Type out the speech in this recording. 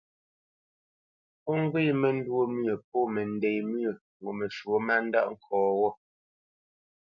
O ŋgwé məntwô myə pô mənde myə́ ŋo məshwɔ̂ má ndá nkɔ́ ghô.